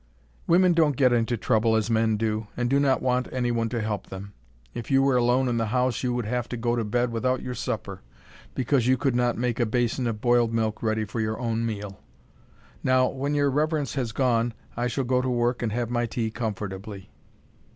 "Women don't get into trouble as men do, and do not want any one to help them. If you were alone in the house you would have to go to bed without your supper, because you could not make a basin of boiled milk ready for your own meal. Now, when your reverence has gone, I shall go to work and have my tea comfortably."